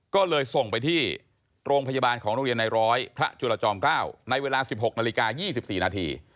ก็เลยส่งไปที่โรงพยาบาลของโรงเรียนในร้อยพระจุลจอม๙ในเวลา๑๖นาฬิกา๒๔นาที